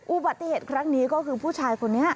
อุบัติเหตุครั้งนี้ก็คือผู้ชายคนนี้